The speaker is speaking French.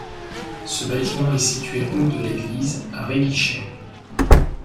Ce bâtiment est situé rue de l'Église à Réguisheim.